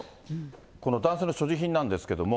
この男性の所持品なんですけども。